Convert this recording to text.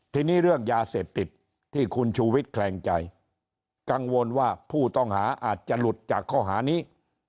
ทีนี้เรื่องยาเสพติดที่คุณชูวิทย์แคลงใจกังวลว่าผู้ต้องหาอาจจะหลุดจากข้อหานี้